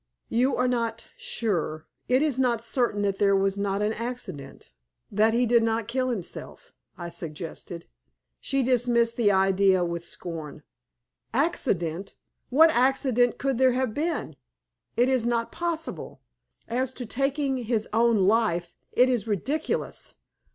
"You are not sure it is not certain that there was not an accident that he did not kill himself," I suggested. She dismissed the idea with scorn. "Accident! What accident could there have been? It is not possible. As to taking his own life, it is ridiculous!